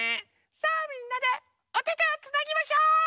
さあみんなでおててをつなぎましょう！